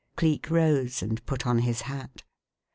Cleek rose and put on his hat.